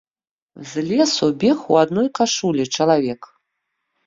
З лесу бег у адной кашулі чалавек.